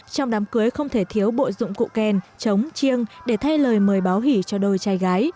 trong đám cưới không thể thiếu bộ dụng cụ kèn chống chiêng để thay lời mời báo hỉ cho đôi trai gái